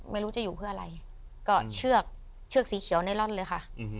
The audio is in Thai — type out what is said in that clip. ไม่รู้จะอยู่เพื่ออะไรก็เชือกเชือกสีเขียวในร่อนเลยค่ะ